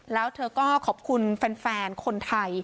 แล้วเธอก็ขอบคุณแฟนคนไทย